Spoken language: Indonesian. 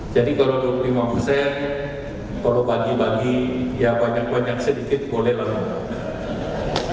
jadi kalau dua puluh lima persen kalau bagi bagi ya banyak banyak sedikit boleh lah